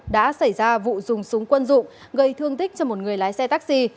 đã xảy ra vụ dùng súng quân dụng gây thương tích cho một người lái xe taxi